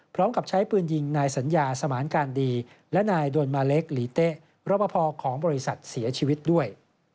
พร้อมกับใช้ปืนยิงนายสัญญาสมานการดีและนายโดนมาเล็กหลีเต๊ะรอปภของบริษัทเสียชีวิตด้วย